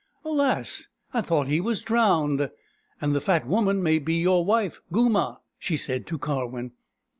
" Alas, I thought he was drowned ! And the fat woman may be your wife, Goomah," she said to Karwin.